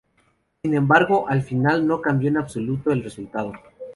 Sin embargo, al final no cambió en absoluto el resultado.